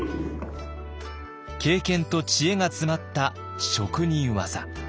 経験と知恵が詰まった職人技。